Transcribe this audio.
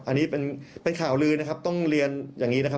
อันนี้เป็นข่าวลือนะครับต้องเรียนอย่างนี้นะครับ